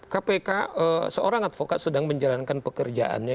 kpk seorang advokat sedang menjalankan pekerjaannya